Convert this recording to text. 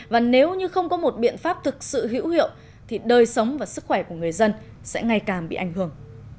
và nếu như không có một biện pháp thực sự hữu hiệu thì đời sống và sức khỏe của người dân sẽ ngày càng bị ảnh hưởng